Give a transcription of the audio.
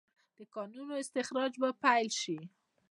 د کانونو استخراج به پیل شي؟